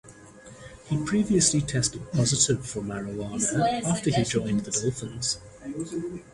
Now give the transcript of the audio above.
He previously tested positive for marijuana shortly after he joined the Dolphins.